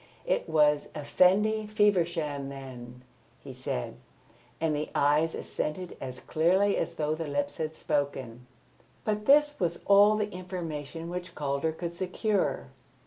"It was Effendi Feversham, then?" he said, and the eyes assented as clearly as though the lips had spoken. But this was all the information which Calder could secure.